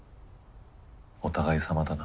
お互いさまだな。